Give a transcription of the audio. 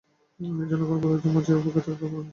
এ জন্য কোন পুরোহিতের মর্জির অপেক্ষায় তাকে থাকতে হবে না।